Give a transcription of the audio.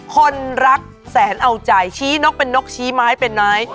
คนรักแสนเอาจ่ายชี้น็อกเป็นน็อกชี้ไม้เป็นน้าย